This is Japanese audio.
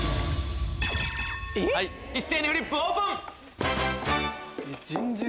一斉にフリップオープン！